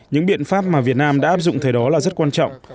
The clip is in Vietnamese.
những biện pháp mà việt nam đã áp dụng thời đó là rất quan trọng